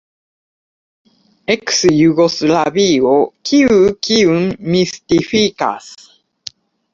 Eks-Jugoslavio: kiu kiun mistifikas?